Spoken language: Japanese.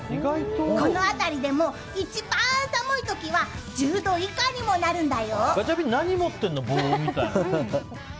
この辺りでも一番寒い時は１０度以下にもなるんだよ。